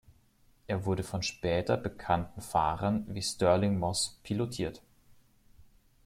Er wurde von später bekannten Fahrern wie Stirling Moss pilotiert.